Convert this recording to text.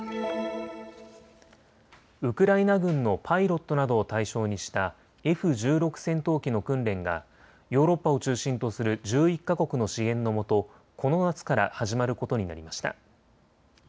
ウクライナ軍のパイロットなどを対象にしたＦ１６戦闘機の訓練がヨーロッパを中心とする１１か国の支援のもと、この夏から始まることになりました。